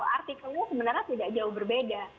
artikelnya sebenarnya tidak jauh berbeda